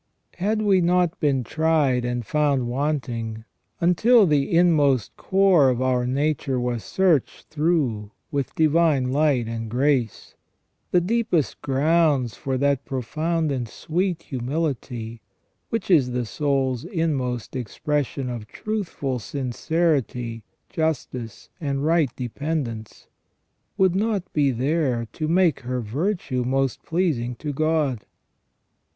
Had we not been tried and found wanting, until the inmost core of our nature was searched through with divine light and grace, the deepest grounds for that profound and sweet humility, which is the soul's inmost expression of truthful sincerity, justice, and right dependence, would not be there to make her virtue most pleasing to God.